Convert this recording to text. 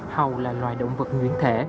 hầu là loài động vật nguyễn thể